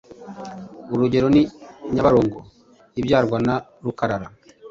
Urugero ni Nyabarongo ibyarwa na Rukarara,